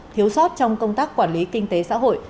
thiếu sót trong công tác quản lý kinh tế xã hội